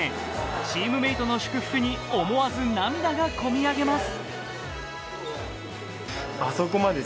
チームメートの祝福に思わず涙がこみ上げます。